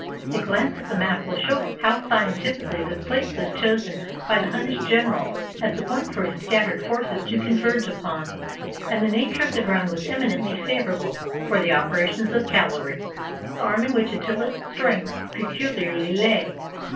A glance at the map will show how scientifically this place was chosen by the Hunnish general as the point for his scattered forces to converge upon; and the nature of the ground was eminently favorable for the operations of cavalry, the arm in which Attila's strength peculiarly lay.